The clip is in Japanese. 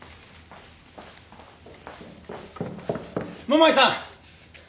桃井さん！